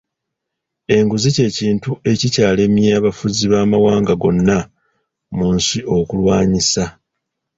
Enguzi ky’ekintu ekikyalemye abafuzi bamawanga gonna mu nsi okulwanyisa.